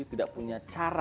tidak punya cara